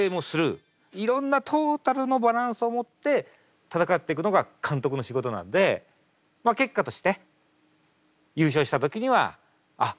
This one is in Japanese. いろんなトータルのバランスをもって戦っていくのが監督の仕事なんでまあ結果として優勝した時にはあっ監督